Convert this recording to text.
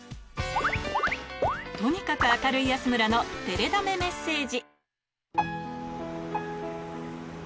とにかく明るい安村の照れ溜めメッセージ。